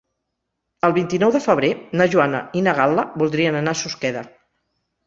El vint-i-nou de febrer na Joana i na Gal·la voldrien anar a Susqueda.